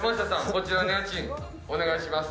こちらの家賃お願いします